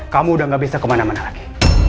kamu udah gak bisa kemana mana lagi